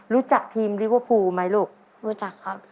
รู้จักทีมลิเวอร์พูลไหมลูกรู้จักครับ